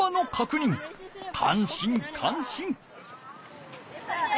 感心感心！